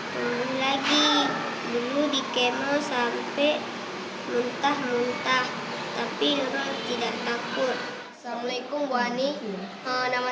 dimulai dulu dikemuk sampai mentah mentah tapi tidak takut assalamualaikum buane nama